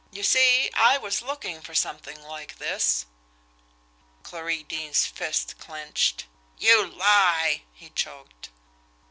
"You see I was looking for something like this." Clarie Deane's fist clenched. "You lie!" he choked.